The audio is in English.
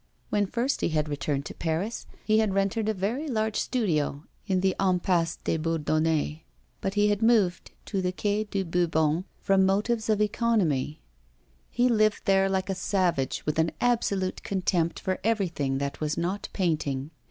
When first he had returned to Paris, he had rented a very large studio in the Impasse des Bourdonnais; but he had moved to the Quai de Bourbon from motives of economy. He lived there like a savage, with an absolute contempt for everything that was not painting.